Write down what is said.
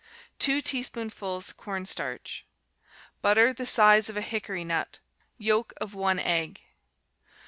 2 teaspoonfuls corn starch. Butter the size of a hickory nut. Yolk of one egg.